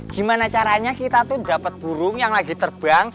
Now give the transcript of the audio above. gimana caranya kita tuh dapat burung yang lagi terbang